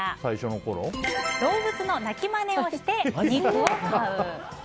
動物の鳴きマネをして肉を買う。